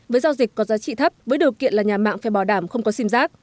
với giao dịch có giá trị thấp với điều kiện là nhà mạng phải bảo đảm không có sim giác